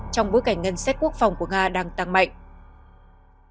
trong bối cảnh ngân sách quốc phòng của nga đang tăng mạnh